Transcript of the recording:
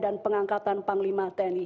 dan pengangkatan panglima tni